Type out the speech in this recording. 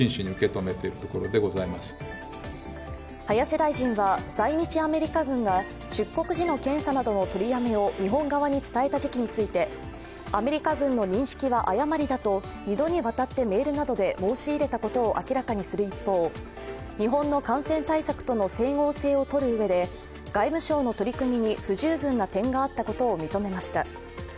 林大臣は在日アメリカ軍が出国時の検査などの取りやめを日本側に伝えた時期についてアメリカ軍の認識は誤りだと２度にわたってメールなどで申し入れたことを明らかにする一方、日本の感染対策との整合性を取るうえで外務省の取り組みに不十分な点があったことを認めました。